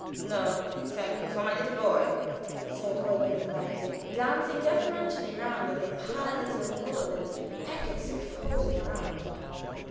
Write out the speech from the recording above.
"No, thank you; for my little boy," says Eugen, politely, glancing deferentially round at the piles of wool and packets of hosen around.